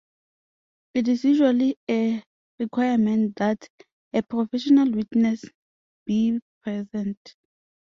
It is usually a requirement that a professional witness be present.